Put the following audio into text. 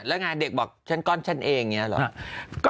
แล้วอะไรดิกฯ์บอกฉันก้อนฉันเองแบบนี้หรอ